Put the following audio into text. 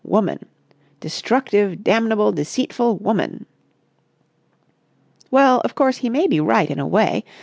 Woman! Destructive, damnable, deceitful woman!'" "Well, of course, he may be right in a way.